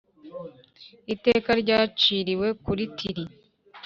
Iteka ryaciriwe kuri Tiri.